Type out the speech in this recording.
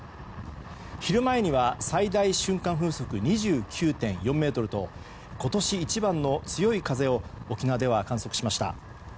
昼前には最大瞬間風速２９．４メートルと今年一番の強い風を、沖縄では観測しました。